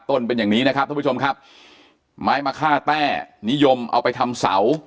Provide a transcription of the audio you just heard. ต้นเป็นอย่างนี้นะครับท่านผู้ชมครับไม้มะค่าแต้นิยมเอาไปทำเสา